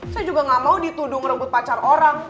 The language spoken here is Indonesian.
saya juga gak mau dituduh ngerebut pacar orang